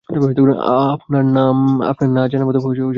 আপনার না জানার মতো কিছু এটা?